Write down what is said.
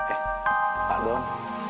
eh pak don